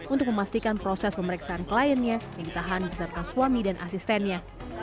untuk memastikan proses pemeriksaan kliennya yang ditahan beserta suami dan asistennya